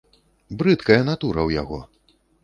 Брыдкая натура ў яго!